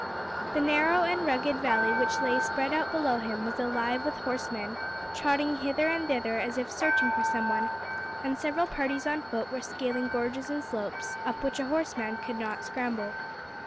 The narrow and rugged valley which lay spread out below him was alive with horsemen, trotting hither and thither as if searching for some one, and several parties on foot were scaling gorges and slopes, up which a horseman could not scramble.